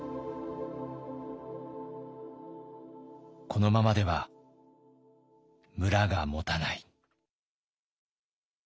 このままでは村がもたない。